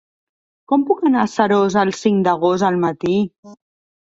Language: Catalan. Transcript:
Com puc anar a Seròs el cinc d'agost al matí?